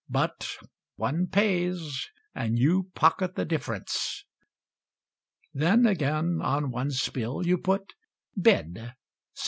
But One pays, And you pocket the difference. Then, again, on one's bill You put Bed, 7s.